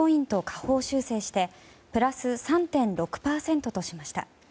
下方修正してプラス３．６％としました。